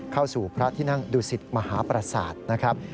เข้าสู่พระที่นั่งดูสิตมหาประสาทนะครับ